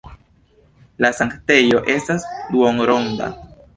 La sanktejo estas duonronda.